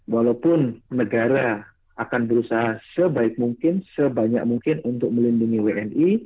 walaupun negara akan berusaha sebaik mungkin sebanyak mungkin untuk melindungi wni